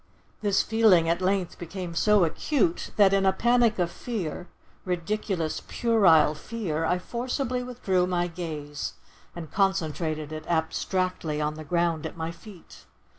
This feeling at length became so acute, that, in a panic of fear—ridiculous, puerile fear, I forcibly withdrew my gaze and concentrated it abstractedly on the ground at my feet.